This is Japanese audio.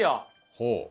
ほう。